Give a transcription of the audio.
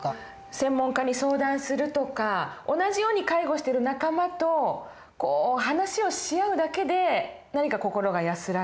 専門家に相談するとか同じように介護してる仲間と話をし合うだけで何か心が安らぐ。